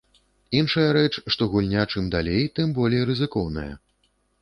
Іншая рэч, што гульня чым далей, тым болей рызыкоўная.